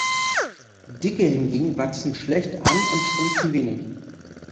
Dicke hingegen wachsen schlecht an und schrumpfen wenig.